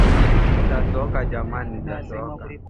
msalaba Fransisko wa Asizi aliona hakuna njia ya kuwavuta Waislamu